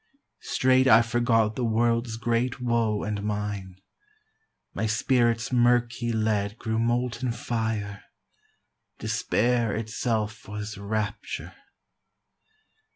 Straight I forgot the world's great woe and mine; My spirit's murky lead grew molten fire; Despair itself was rapture.